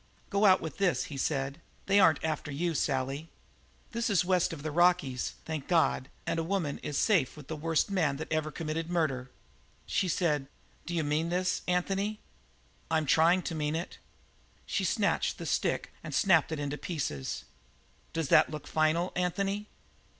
"Go out with this," he said. "They aren't after you, Sally. This is west of the Rockies, thank God, and a woman is safe with the worst man that ever committed murder." She said: "D'you mean this, Anthony?" "I'm trying to mean it." She snatched the stick and snapped it into small pieces. "Does that look final, Anthony?"